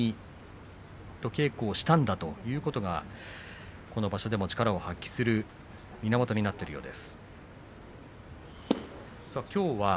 あの強い平戸海と稽古をしたということはこの場所でも力を発揮する源にもなっているようです。